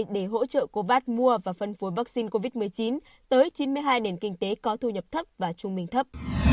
để hỗ trợ covad mua và phân phối vaccine covid một mươi chín tới chín mươi hai nền kinh tế có thu nhập thấp và trung bình thấp